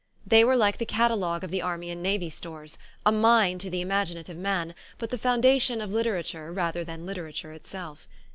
They were like the cata logue of the Army and Navy Stores, a mine to the imaginative man, but the foundation of litera ture rather than literature itself.